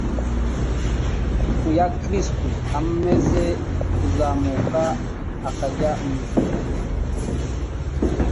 Kuya Kristo amaze kuzamuka akajya mu ijuru,